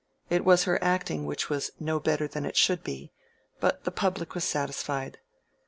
It was her acting which was "no better than it should be," but the public was satisfied.